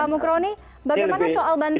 mukroni bagaimana soal bantuan